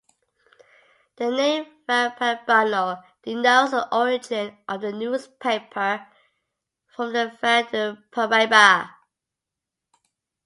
The name "ValeParaibano" denotes the origin of the newspaper, from the Vale do Paraiba.